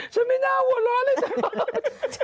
ฉันไม่น่าหัวเราะเลย